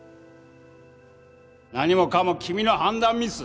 何もかも君の判断ミス！